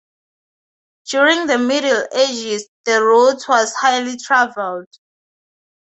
During the Middle Ages, the route was highly travelled.